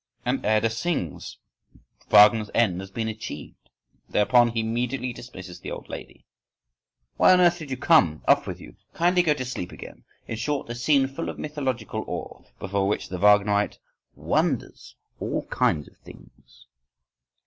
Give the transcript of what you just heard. And Erda sings. Wagner's end has been achieved. Thereupon he immediately dismisses the old lady. "Why on earth did you come? Off with you! Kindly go to sleep again!" In short, a scene full of mythological awe, before which the Wagnerite wonders all kinds of things.